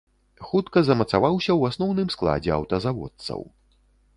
Хутка замацаваўся ў асноўным складзе аўтазаводцаў.